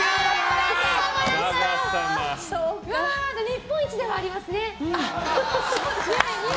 でも、日本一ではありますね。